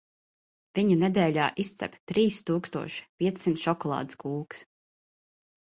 Viņa nedēļā izcep trīs tūkstoš piecsimt šokolādes kūkas.